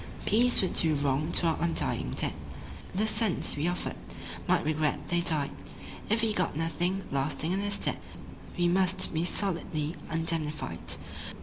Peace would do wrong to our undying dead, The sons we offered might regret they died If we got nothing lasting in their stead. We must be solidly indemnified.